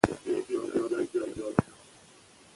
په ناڅاپه غوسه کې پښېماني د اختلال پایله ده.